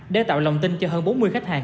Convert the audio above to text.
để tạo lòng tin cho hơn bốn mươi khách hàng